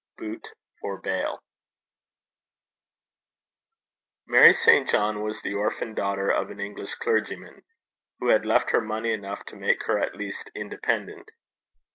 BOOT FOR BALE. Mary St. John was the orphan daughter of an English clergyman, who had left her money enough to make her at least independent.